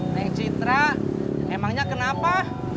neng citra emangnya kenapa